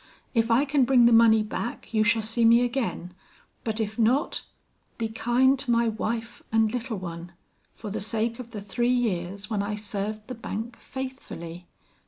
If I can bring the money back, you shall see me again, but if not, be kind to my wife and little one, for the sake of the three years when I served the bank faithfully.